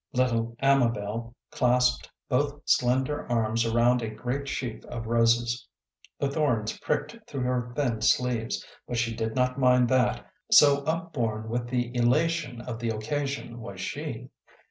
Little Amabel clasped both slender arms around a great sheaf of roses; the thorns pricked through her thin sleeves, but she did not mind that, so upborne with the elation of the occasion was she.